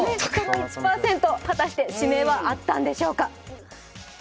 １％、果たして指名はあったんでしょうか。